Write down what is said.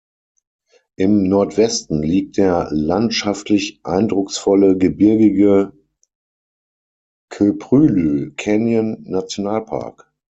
Im Nordwesten liegt der landschaftlich eindrucksvolle, gebirgige Köprülü-Kanyon-Nationalpark.